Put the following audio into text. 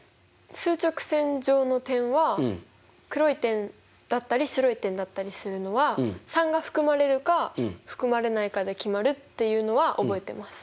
数直線上の点は黒い点だったり白い点だったりするのは３が含まれるか含まれないかで決まるっていうのは覚えてます。